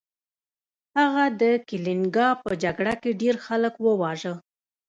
هغه د کلینګا په جګړه کې ډیر خلک وواژه.